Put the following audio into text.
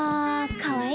かわいい！